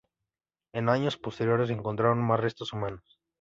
En años posteriores se encontraron más restos humanos.